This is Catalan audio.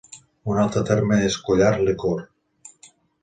Un altre terme és collard liquor.